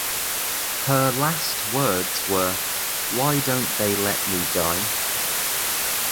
Her last words were, Why don't they let me die?